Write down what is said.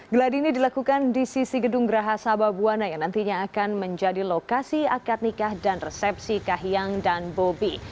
geladi ini dilakukan di sisi gedung geraha sababwana yang nantinya akan menjadi lokasi akad nikah dan resepsi kahiyang dan bobi